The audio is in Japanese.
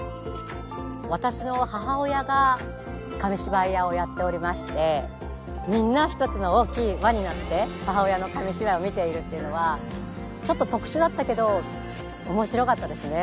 私の母親が紙芝居屋をやっておりましてみんな一つの大きい輪になって母親の紙芝居を見ているっていうのはちょっと特殊だったけど面白かったですね